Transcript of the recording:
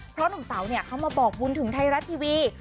เพราะหนุ่มเต๋าเนี่ยเขามาบอกบุญถึงไทยรัฐทีวี